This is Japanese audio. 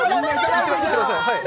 行っちゃってください。